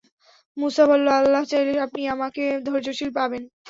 মূসা বলল, আল্লাহ চাইলে আপনি আমাকে ধৈর্যশীল পাবেন।